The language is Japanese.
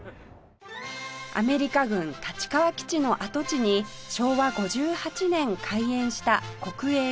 アメリカ軍立川基地の跡地に昭和５８年開園した国営昭和記念公園